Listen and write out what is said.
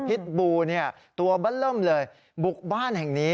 พิษบูตัวบั้นเริ่มเลยบุกบ้านแห่งนี้